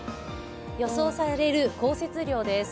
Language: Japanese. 予想される降雪量です。